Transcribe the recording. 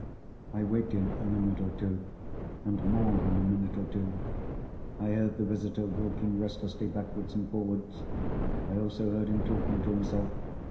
I waited a minute or two, and more than a minute or two. I heard the visitor walking restlessly backwards and forwards. I also heard him talking to himself.